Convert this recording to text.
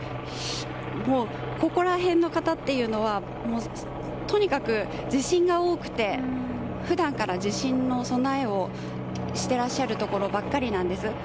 ここら辺の方っていうのはとにかく地震が多くて普段から地震の備えをしていらっしゃるところばっかりなんです。